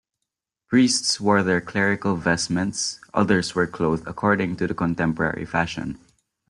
Priests wore their clerical vestments, others were clothed according to the contemporary fashion.